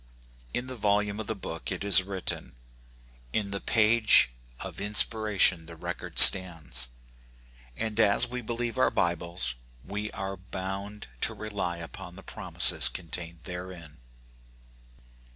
" In the volume of the book it is written.*' In the page of inspiration the record stands ; and as we believe our Bibles, we are bound to rely upon the promises contained therein.